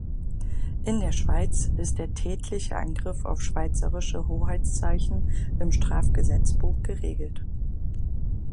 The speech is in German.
In der Schweiz ist der "Tätliche Angriff auf schweizerische Hoheitszeichen" im Strafgesetzbuch geregelt.